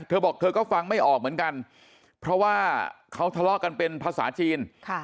เธอบอกเธอก็ฟังไม่ออกเหมือนกันเพราะว่าเขาทะเลาะกันเป็นภาษาจีน